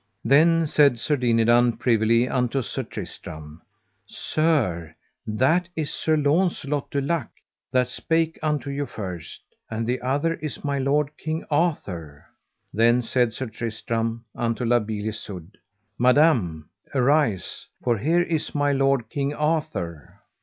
Then said Sir Dinadan privily unto Sir Tristram: Sir, that is Sir Launcelot du Lake that spake unto you first, and the other is my lord King Arthur. Then, said Sir Tristram unto La Beale Isoud, Madam arise, for here is my lord, King Arthur.